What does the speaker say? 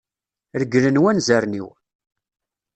Reglen wanzaren-iw.